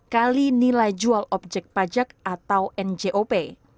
kali nilai jual objek pajak atau njop